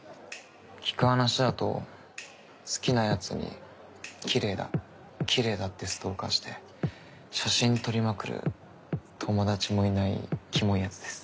聞く話だと好きなやつに「きれいだきれいだ」ってストーカーして写真撮りまくる友達もいないキモいやつです